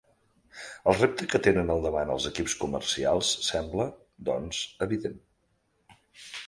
El repte que tenen al davant els equips comercials sembla, doncs, evident.